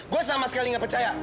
gw sama sekali gak percaya